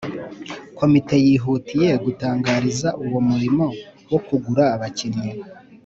Komite yihutiye gutangiraza uwo murimo wo kugura abakinnyi,